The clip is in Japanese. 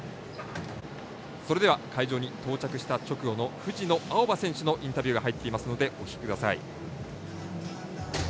それでは会場に到着した直後の藤野あおばさんのインタビューが入っていますのでお聞きください。